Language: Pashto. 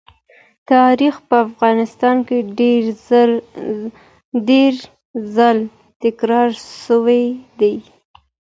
تاریخ په افغانستان کې ډېر ځله تکرار سوی دی.